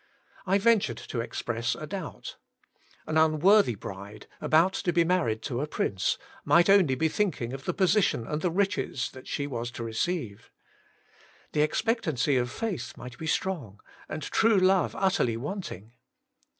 I ventured to express a doubt. An unworthy bride, about to be married to a prince, might only be thinking of the position and the riches that she was to receive. The ex pectancy of faith might be strong, and true love utterly wanting.